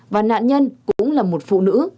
và nạn nhân cũng là một phụ nữ